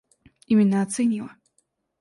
Именно оценила.